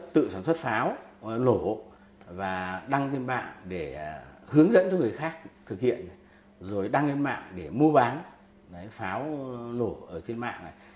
tự sản xuất pháo nổ và đăng trên mạng để hướng dẫn cho người khác thực hiện rồi đăng lên mạng để mua bán pháo nổ trên mạng